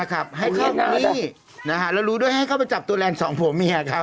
แล้วรู้ด้วยให้เข้าไปจับตัวแหลน๒ผัวเมียครับ